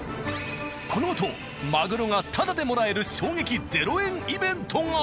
このあとマグロがタダでもらえる衝撃０円イベントが。